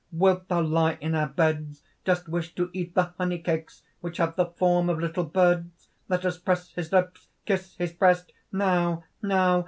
wilt thou lie in our beds? dost wish to eat the honeycakes which have the form of little birds? "Let us press his lips, kiss his breast! Now! now!